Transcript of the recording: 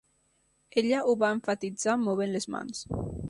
Ella ho va emfatitzar movent les mans.